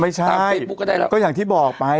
ไม่ใช่ก็อย่างที่บอกไป